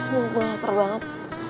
gue lapar banget